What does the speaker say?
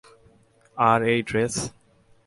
আর এই ড্রেস?